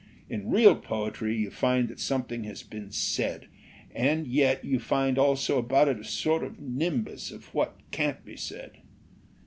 In real poetry you find that something has been said, and yet you find also about it a sort of nimbus of what can't be said.